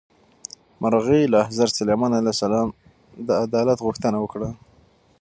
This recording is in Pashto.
مرغۍ له حضرت سلیمان علیه السلام د عدالت غوښتنه وکړه.